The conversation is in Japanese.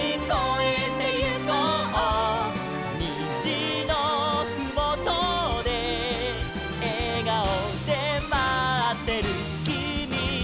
「にじのふもとでえがおでまってるきみがいる」